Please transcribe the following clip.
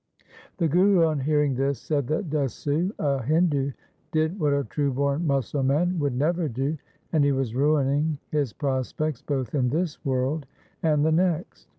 The Guru on hearing this said that Desu, a Hindu, did what a true born Musalman would never do, and he was ruining his prospects both in this world and the next.